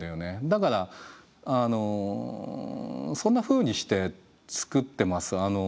だからそんなふうにして作ってます。